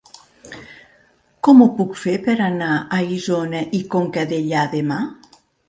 Com ho puc fer per anar a Isona i Conca Dellà demà?